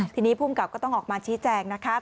ทีนี้ภูมิกับก็ต้องออกมาชี้แจงนะคะ